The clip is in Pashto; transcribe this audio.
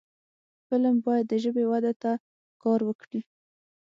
فلم باید د ژبې وده ته کار وکړي